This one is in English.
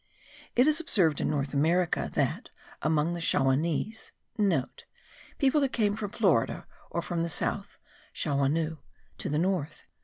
It is observed in North America that, among the Shawanese,* (* People that came from Florida, or from the south (shawaneu) to the north.)